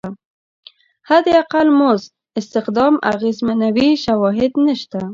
حداقل مزد استخدام اغېزمنوي شواهد نشته.